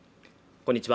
こんにちは